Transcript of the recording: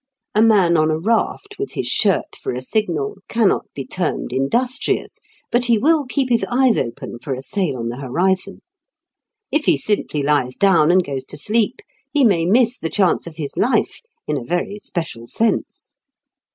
A man on a raft with his shirt for a signal cannot be termed industrious, but he will keep his eyes open for a sail on the horizon. If he simply lies down and goes to sleep he may miss the chance of his life, in a very special sense.